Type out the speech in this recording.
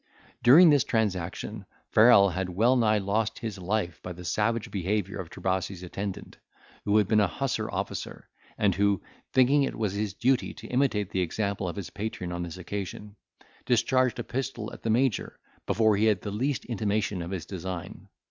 During this transaction, Farrel had well nigh lost his life by the savage behaviour of Trebasi's attendant, who had been a hussar officer, and who, thinking it was his duty to imitate the example of his patron on this occasion, discharged a pistol at the Major, before he had the least intimation of his design.